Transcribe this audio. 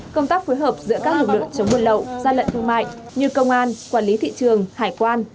công tác phối hợp giữa các lực lượng chống buồn lậu gian lận thương mại như công an quản lý thị trường hải quan